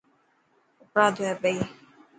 ڪپڙا ڌوئي پئي.